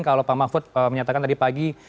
kalau pak mahfud menyatakan tadi pagi